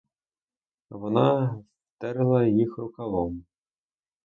Вона втерла їх рукавом.